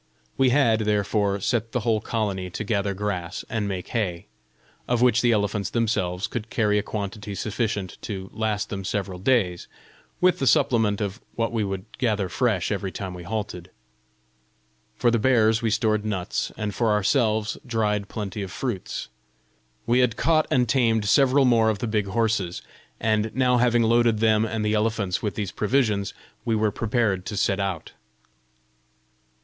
We had, therefore, set the whole colony to gather grass and make hay, of which the elephants themselves could carry a quantity sufficient to last them several days, with the supplement of what we would gather fresh every time we halted. For the bears we stored nuts, and for ourselves dried plenty of fruits. We had caught and tamed several more of the big horses, and now having loaded them and the elephants with these provisions, we were prepared to set out.